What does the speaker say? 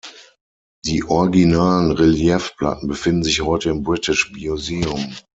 Die originalen Reliefplatten befinden sich heute im British Museum.